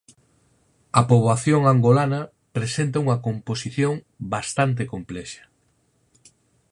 A poboación angolana presenta unha composición bastante complexa.